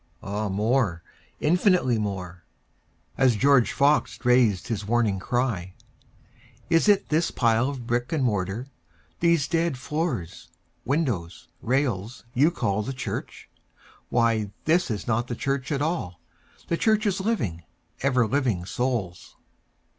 Ah more, infinitely more; (As George Fox rais'd his warning cry, "Is it this pile of brick and mortar, these dead floors, windows, rails, you call the church? Why this is not the church at all the church is living, ever living souls.")